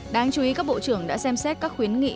đáng chú ý các bộ trưởng đã xem xét các khuyến nghị